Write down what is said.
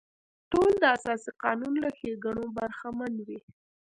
ټول د اساسي قانون له ښېګڼو برخمن وي.